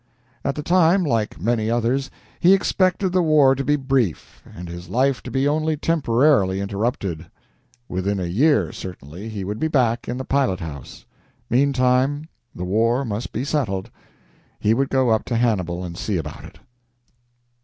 At the time, like many others, he expected the war to be brief, and his life to be only temporarily interrupted. Within a year, certainly, he would be back in the pilot house. Meantime the war must be settled; he would go up to Hannibal to see about it.